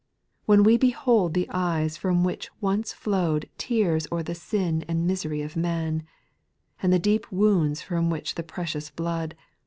AVhen we behold the eyes from which once flowed Tears o'er the sin and misery of man, And the deep wounds from which the pre cious blood.